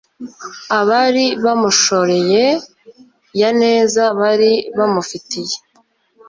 abari bamushoreye, ya neza bari bamufitiye